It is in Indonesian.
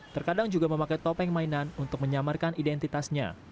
terkadang juga memakai topeng mainan untuk menyamarkan identitasnya